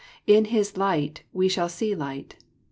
" In His light we shall see light."